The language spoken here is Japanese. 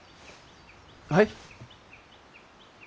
はい？